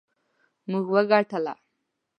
موږ وګټله